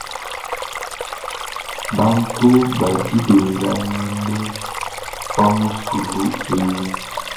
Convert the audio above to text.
Bantu badi benza ngendu pa musulu eu.